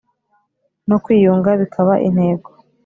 no kwiyunga bikaba intego